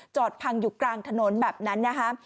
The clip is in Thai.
พังอยู่กลางถนนแบบนั้นนะคะ